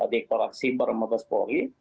dekorasi baris ke lima belas polri